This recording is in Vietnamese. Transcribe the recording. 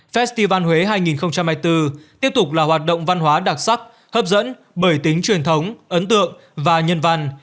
festival huế hai nghìn hai mươi bốn tiếp tục là hoạt động văn hóa đặc sắc hấp dẫn bởi tính truyền thống ấn tượng và nhân văn